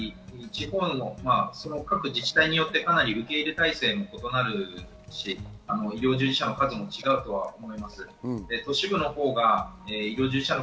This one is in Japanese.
各自治体によって受け入れ態勢も異なるし医療従事者の数も違うとは思います。